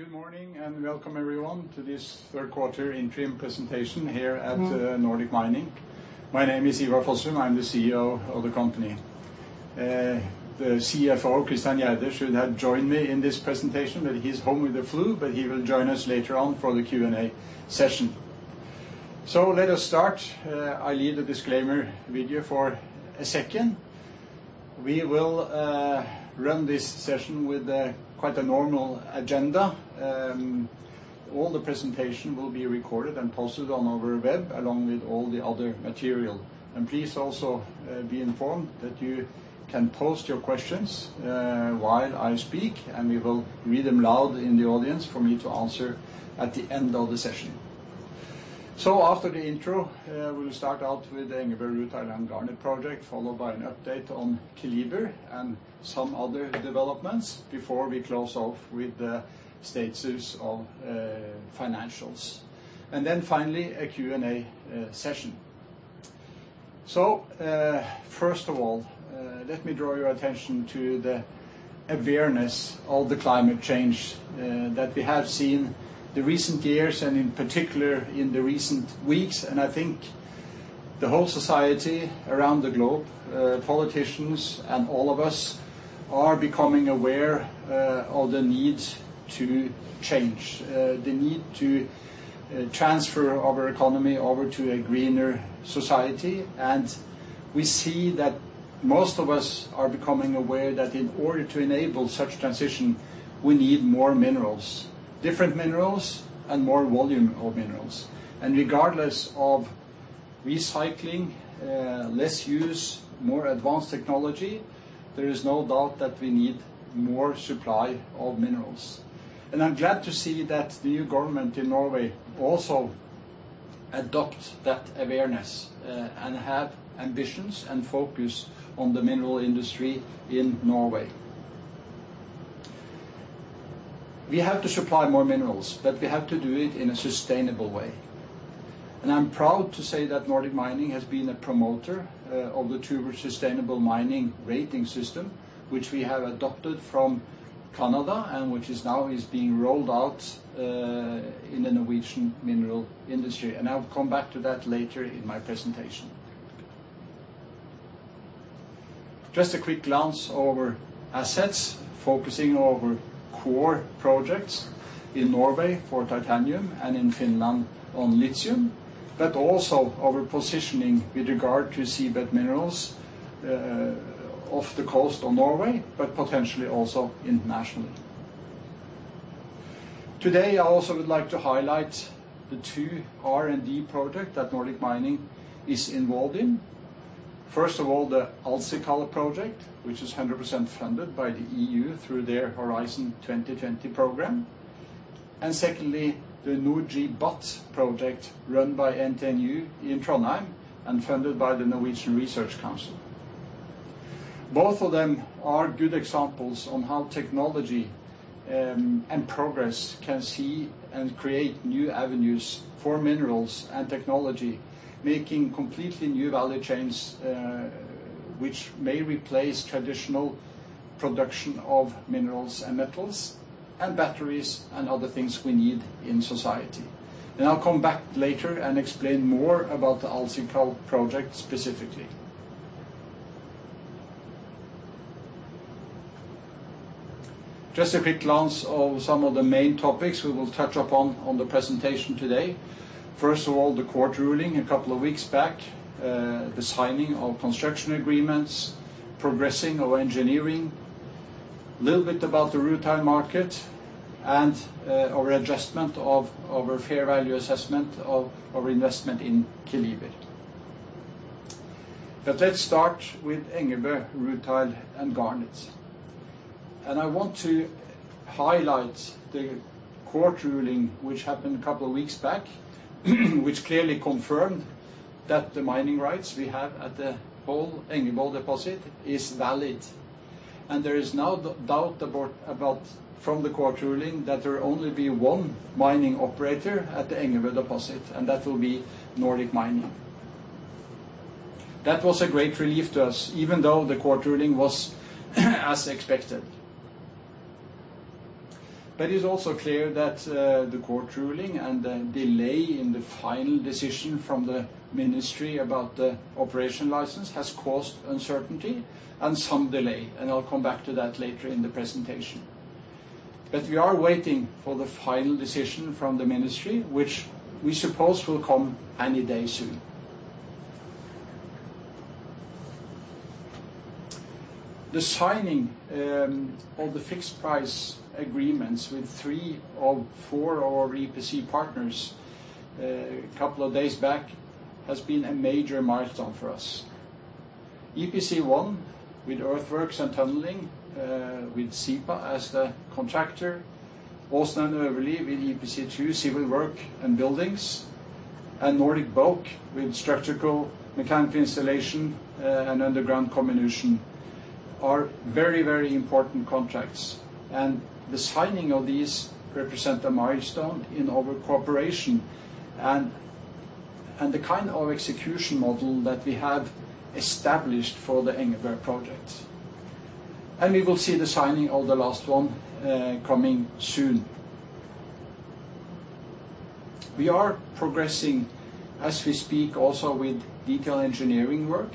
Good morning and welcome, everyone, to this third quarter interim presentation here at Nordic Mining. My name is Ivar Fossum, I'm the CEO of the company. The CFO, Christian Gjerde, should have joined me in this presentation, but he's home with the flu, but he will join us later on for the Q&A session. Let us start. I'll leave the disclaimer video for a second. We will run this session with quite a normal agenda. All the presentation will be recorded and posted on our web, along with all the other material. Please also be informed that you can post your questions while I speak, and we will read them loud in the audience for me to answer at the end of the session. After the intro, we will start out with the Engebø Rutile and Garnet Project, followed by an update on Keliber and some other developments before we close off with the status of financials. Finally, a Q&A session. First of all, let me draw your attention to the awareness of the climate change that we have seen in recent years, and in particular in recent weeks. I think the whole society around the globe, politicians, and all of us are becoming aware of the need to change, the need to transfer our economy over to a greener society. We see that most of us are becoming aware that in order to enable such transition, we need more minerals, different minerals, and more volume of minerals. Regardless of recycling, less use, more advanced technology, there is no doubt that we need more supply of minerals. I am glad to see that the new government in Norway also adopts that awareness and has ambitions and focus on the mineral industry in Norway. We have to supply more minerals, but we have to do it in a sustainable way. I am proud to say that Nordic Mining has been a promoter of the Towards Sustainable Mining rating system, which we have adopted from Canada and which is now being rolled out in the Norwegian mineral industry. I will come back to that later in my presentation. Just a quick glance over assets, focusing over core projects in Norway for titanium and in Finland on lithium, but also over positioning with regard to seabed minerals off the coast of Norway, but potentially also internationally. Today, I also would like to highlight the two R&D projects that Nordic Mining is involved in. First of all, the AltSiKal project, which is 100% funded by the EU through their Horizon 2020 program. Secondly, the NordGBAT project run by NTNU in Trondheim and funded by the Norwegian Research Council. Both of them are good examples on how technology and progress can see and create new avenues for minerals and technology, making completely new value chains, which may replace traditional production of minerals and metals and batteries and other things we need in society. I will come back later and explain more about the AltSiKal project specifically. Just a quick glance of some of the main topics we will touch upon on the presentation today. First of all, the court ruling a couple of weeks back, the signing of construction agreements, progressing our engineering, a little bit about the retail market, and our adjustment of our fair value assessment of our investment in Keliber. Let's start with Engebø rutile and garnet. I want to highlight the court ruling, which happened a couple of weeks back, which clearly confirmed that the mining rights we have at the whole Engebø deposit are valid. There is now no doubt about, from the court ruling, that there will only be one mining operator at the Engebø deposit, and that will be Nordic Mining. That was a great relief to us, even though the court ruling was as expected. It is also clear that the court ruling and the delay in the final decision from the ministry about the operation license has caused uncertainty and some delay. I'll come back to that later in the presentation. We are waiting for the final decision from the ministry, which we suppose will come any day soon. The signing of the fixed price agreements with three of four of our EPC partners a couple of days back has been a major milestone for us. EPC1 with Earthworks and Tunneling, with SIPA as the contractor, Åsen & Øvrelid with EPC2 Civil Work and Buildings, and Nordic BOKE with Structural Mechanical Installation and Underground Comminution are very, very important contracts. The signing of these represents a milestone in our cooperation and the kind of execution model that we have established for the Engebø project. We will see the signing of the last one coming soon. We are progressing as we speak also with detailed engineering work,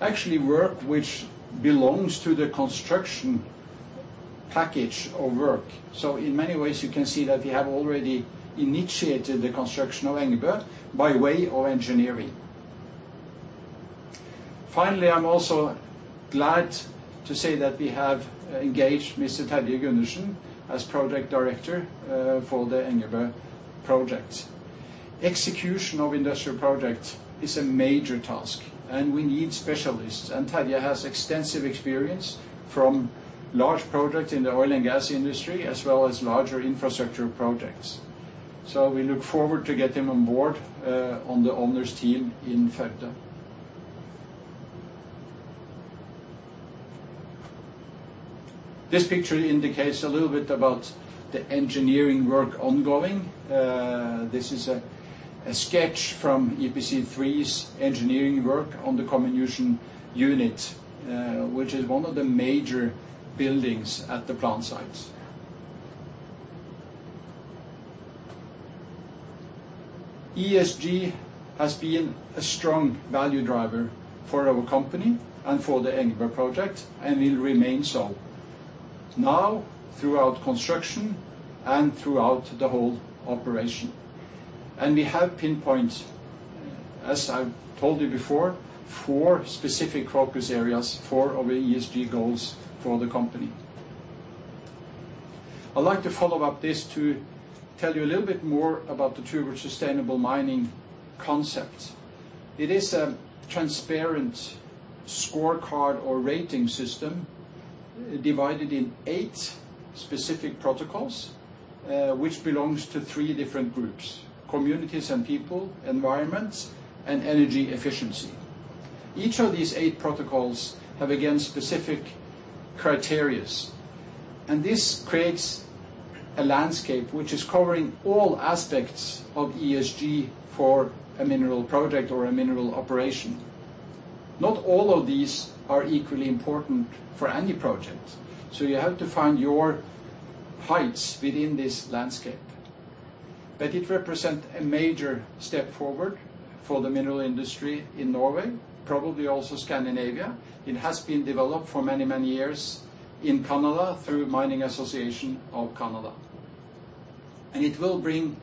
actually work which belongs to the construction package of work. In many ways, you can see that we have already initiated the construction of Engebø by way of engineering. Finally, I'm also glad to say that we have engaged Mr. Terje Gundersen as Project Director for the Engebø project. Execution of industrial projects is a major task, and we need specialists. Terje has extensive experience from large projects in the oil and gas industry, as well as larger infrastructure projects. We look forward to getting him on board on the owners' team in Femte. This picture indicates a little bit about the engineering work ongoing. This is a sketch from EPC3's engineering work on the comminution unit, which is one of the major buildings at the plant sites. ESG has been a strong value driver for our company and for the Engebø project, and will remain so now throughout construction and throughout the whole operation. We have pinpoints, as I've told you before, four specific focus areas for our ESG goals for the company. I'd like to follow up this to tell you a little bit more about the Towards Sustainable Mining concept. It is a transparent scorecard or rating system divided in eight specific protocols, which belongs to three different groups: communities and people, environment, and energy efficiency. Each of these eight protocols has, again, specific criteria. This creates a landscape which is covering all aspects of ESG for a mineral project or a mineral operation. Not all of these are equally important for any project. You have to find your heights within this landscape. It represents a major step forward for the mineral industry in Norway, probably also Scandinavia. It has been developed for many, many years in Canada through the Mining Association of Canada. It will bring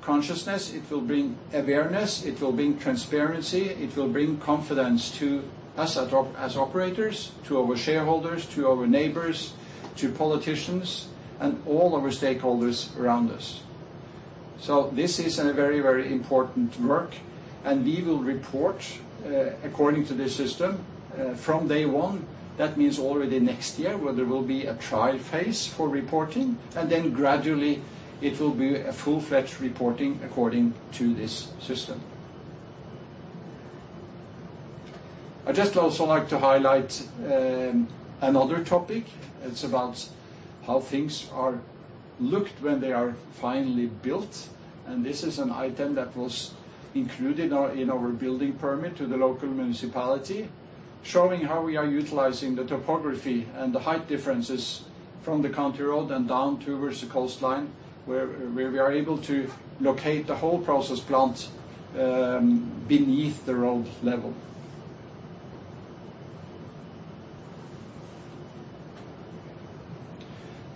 consciousness, it will bring awareness, it will bring transparency, it will bring confidence to us as operators, to our shareholders, to our neighbors, to politicians, and all our stakeholders around us. This is a very, very important work. We will report according to this system from day one. That means already next year, where there will be a trial phase for reporting. Gradually, it will be a full-fledged reporting according to this system. I'd just also like to highlight another topic. It's about how things are looked when they are finally built. This is an item that was included in our building permit to the local municipality, showing how we are utilizing the topography and the height differences from the country road and down towards the coastline, where we are able to locate the whole process plant beneath the road level.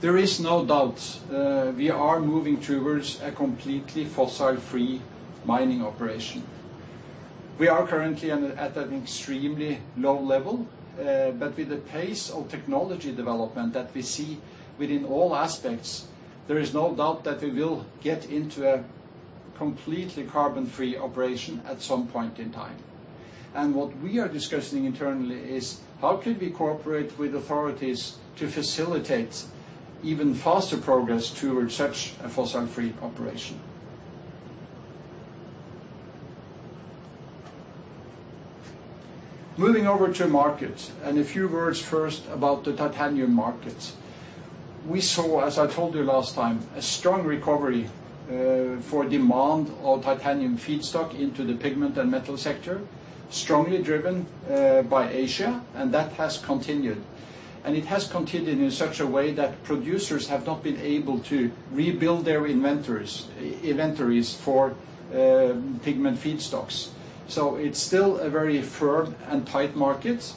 There is no doubt we are moving towards a completely fossil-free mining operation. We are currently at an extremely low level. With the pace of technology development that we see within all aspects, there is no doubt that we will get into a completely carbon-free operation at some point in time. What we are discussing internally is how can we cooperate with authorities to facilitate even faster progress towards such a fossil-free operation. Moving over to markets and a few words first about the titanium markets. We saw, as I told you last time, a strong recovery for demand of titanium feedstock into the pigment and metal sector, strongly driven by Asia, and that has continued. It has continued in such a way that producers have not been able to rebuild their inventories for pigment feedstocks. It is still a very firm and tight market.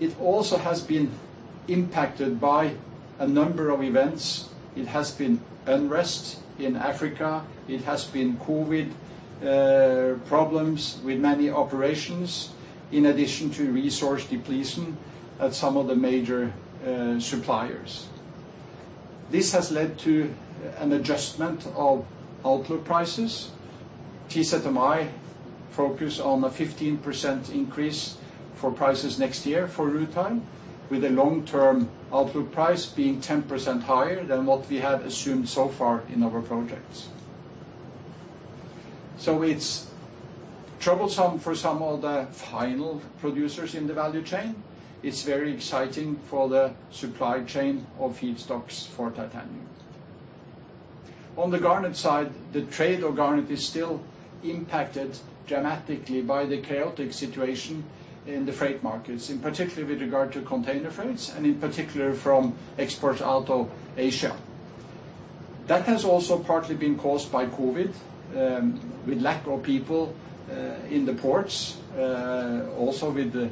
It also has been impacted by a number of events. It has been unrest in Africa. It has been COVID problems with many operations, in addition to resource depletion at some of the major suppliers. This has led to an adjustment of outlook prices. TZMI focused on a 15% increase for prices next year for rutile, with a long-term outlook price being 10% higher than what we have assumed so far in our projects. It is troublesome for some of the final producers in the value chain. It is very exciting for the supply chain of feedstocks for titanium. On the garnet side, the trade of garnet is still impacted dramatically by the chaotic situation in the freight markets, in particular with regard to container freights and in particular from exports out of Asia. That has also partly been caused by COVID, with lack of people in the ports, also with the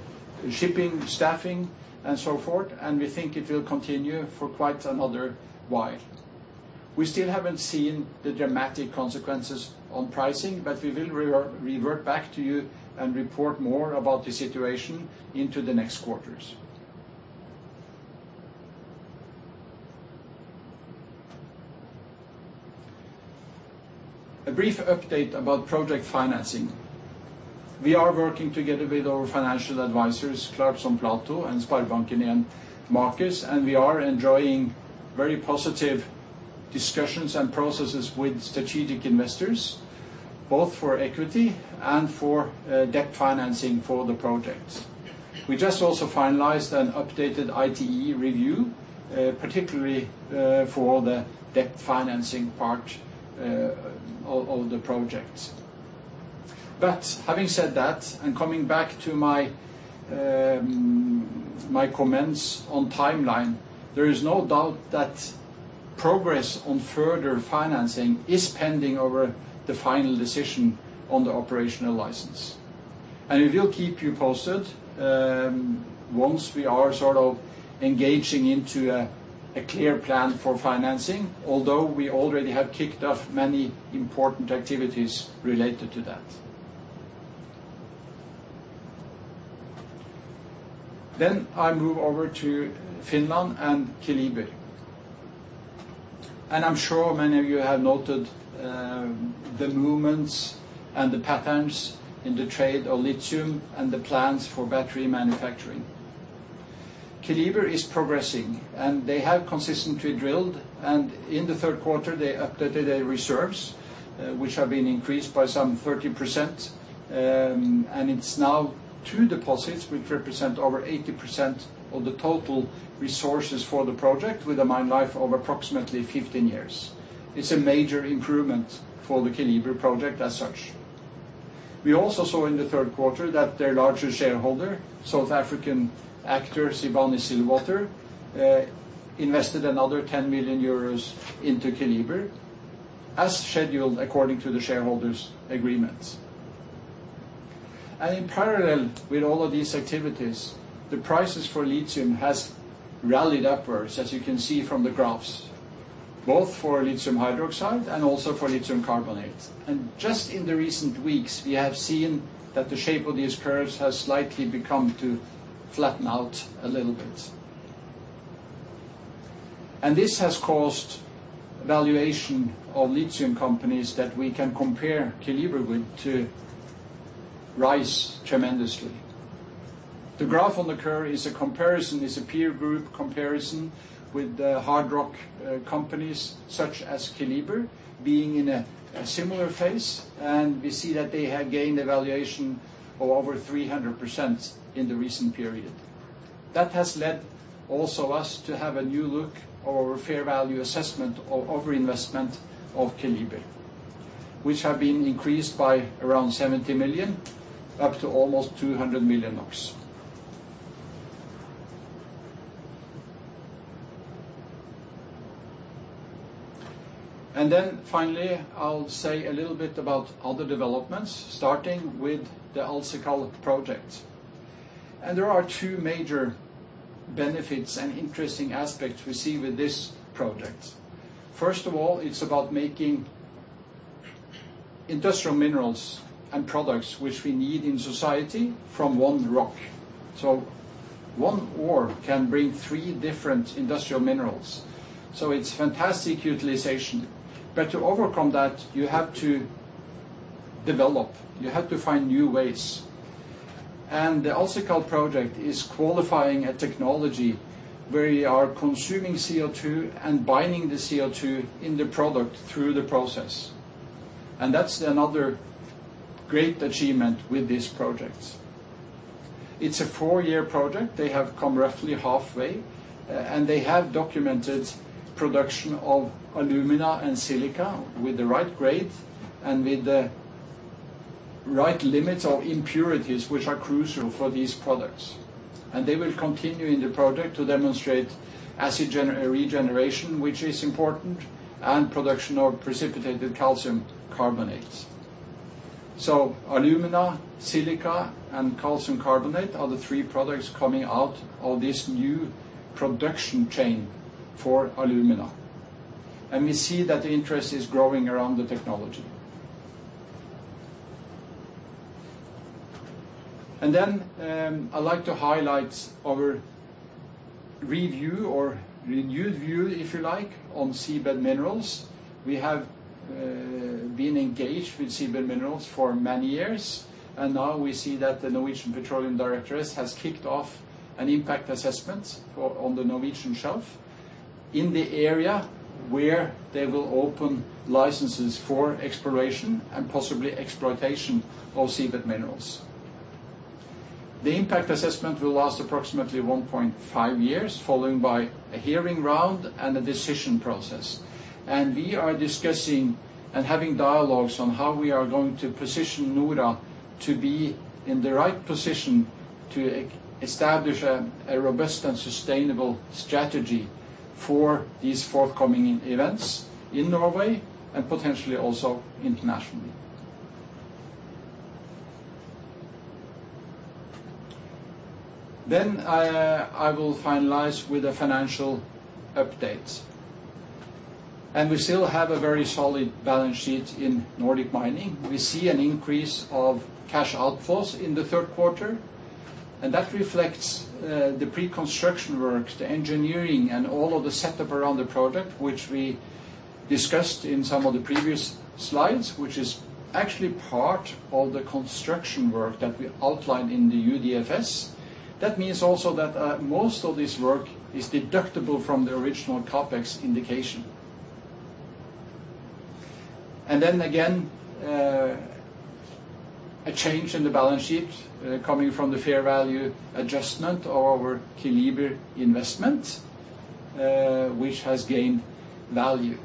shipping staffing and so forth. We think it will continue for quite another while. We still have not seen the dramatic consequences on pricing, but we will revert back to you and report more about the situation into the next quarters. A brief update about project financing. We are working together with our financial advisors, Clarkson Platou and Sparebanken and Markus, and we are enjoying very positive discussions and processes with strategic investors, both for equity and for debt financing for the projects. We just also finalized and updated ITE review, particularly for the debt financing part of the projects. Having said that, and coming back to my comments on timeline, there is no doubt that progress on further financing is pending over the final decision on the operational license. We will keep you posted once we are sort of engaging into a clear plan for financing, although we already have kicked off many important activities related to that. I move over to Finland and Keliber. I am sure many of you have noted the movements and the patterns in the trade of lithium and the plans for battery manufacturing. Keliber is progressing, and they have consistently drilled. In the third quarter, they updated their reserves, which have been increased by some 30%. It is now two deposits, which represent over 80% of the total resources for the project, with a mine life of approximately 15 years. It is a major improvement for the Keliber project as such. We also saw in the third quarter that their largest shareholder, South African actor Sibanye Stillwater, invested another 10 million euros into Keliber, as scheduled according to the shareholders' agreements. In parallel with all of these activities, the prices for lithium have rallied upwards, as you can see from the graphs, both for lithium hydroxide and also for lithium carbonate. Just in the recent weeks, we have seen that the shape of these curves has slightly begun to flatten out a little bit. This has caused valuation of lithium companies that we can compare Keliber with to rise tremendously. The graph on the curve is a comparison, is a peer group comparison with the hard rock companies such as Keliber being in a similar phase. We see that they have gained a valuation of over 300% in the recent period. That has led also us to have a new look of our fair value assessment of our investment in Keliber, which has been increased by around 70 million, up to almost 200 million NOK. Finally, I'll say a little bit about other developments, starting with the AltSiKal project. There are two major benefits and interesting aspects we see with this project. First of all, it's about making industrial minerals and products which we need in society from one rock. One ore can bring three different industrial minerals. It's fantastic utilization. To overcome that, you have to develop. You have to find new ways. The AltSiKal project is qualifying a technology where we are consuming CO2 and binding the CO2 in the product through the process. That's another great achievement with this project. It's a four-year project. They have come roughly halfway, and they have documented production of alumina and silica with the right grade and with the right limits of impurities, which are crucial for these products. They will continue in the project to demonstrate acid regeneration, which is important, and production of precipitated calcium carbonates. Alumina, silica, and calcium carbonate are the three products coming out of this new production chain for alumina. We see that the interest is growing around the technology. I would like to highlight our review or renewed view, if you like, on seabed minerals. We have been engaged with seabed minerals for many years. We now see that the Norwegian Petroleum Directorate has kicked off an impact assessment on the Norwegian shelf in the area where they will open licenses for exploration and possibly exploitation of seabed minerals. The impact assessment will last approximately 1.5 years, followed by a hearing round and a decision process. We are discussing and having dialogues on how we are going to position Nura to be in the right position to establish a robust and sustainable strategy for these forthcoming events in Norway and potentially also internationally. I will finalize with a financial update. We still have a very solid balance sheet in Nordic Mining. We see an increase of cash outflows in the third quarter. That reflects the pre-construction work, the engineering, and all of the setup around the project, which we discussed in some of the previous slides, which is actually part of the construction work that we outlined in the UDFS. That means also that most of this work is deductible from the original CapEx indication. Again, a change in the balance sheet coming from the fair value adjustment of our Keliber investment, which has gained value.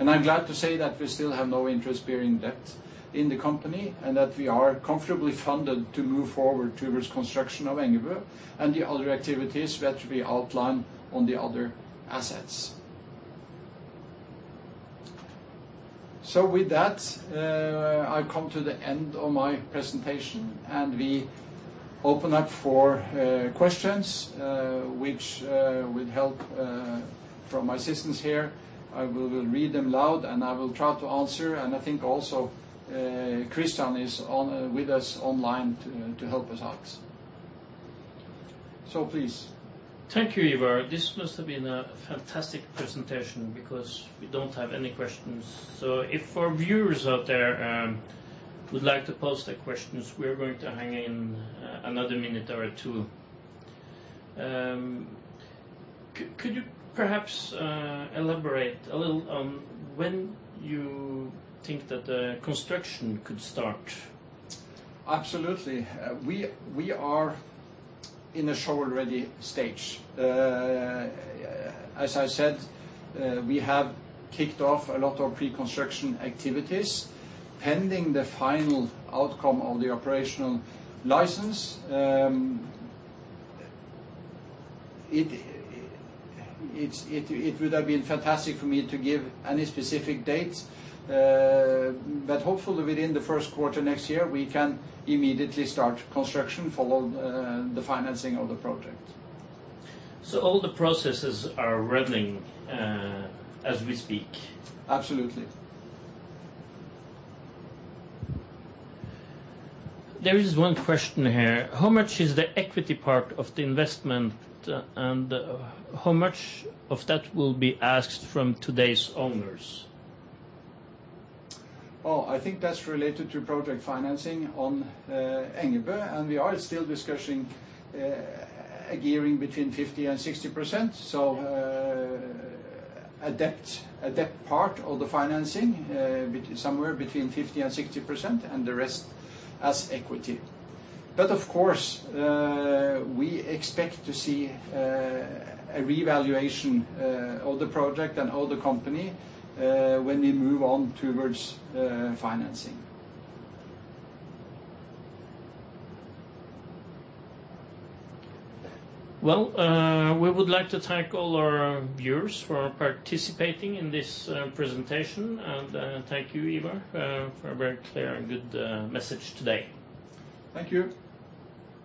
I'm glad to say that we still have no interest-bearing debt in the company and that we are comfortably funded to move forward towards construction of Engebø and the other activities that we outline on the other assets. With that, I've come to the end of my presentation, and we open up for questions, which with help from my assistants here, I will read them loud, and I will try to answer. I think also Christian is with us online to help us out. Please. Thank you, Ivar. This must have been a fantastic presentation because we do not have any questions. If our viewers out there would like to post their questions, we are going to hang in another minute or two. Could you perhaps elaborate a little on when you think that the construction could start? Absolutely. We are in a show-already stage. As I said, we have kicked off a lot of pre-construction activities pending the final outcome of the operational license. It would have been fantastic for me to give any specific dates, but hopefully within the first quarter next year, we can immediately start construction following the financing of the project. All the processes are running as we speak. Absolutely. There is one question here. How much is the equity part of the investment, and how much of that will be asked from today's owners? Oh, I think that's related to project financing on Engebø, and we are still discussing a gearing between 50-60%. A debt part of the financing somewhere between 50-60%, and the rest as equity. Of course, we expect to see a revaluation of the project and of the company when we move on towards financing. We would like to thank all our viewers for participating in this presentation, and thank you, Ivar, for a very clear and good message today. Thank you.